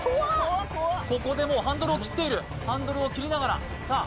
ここでもうハンドルを切っているハンドルを切りながらさあ